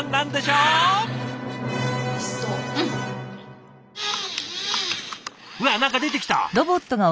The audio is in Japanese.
うわ何か出てきた。